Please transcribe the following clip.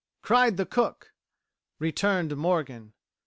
Cried the Cook. Returned Morgan.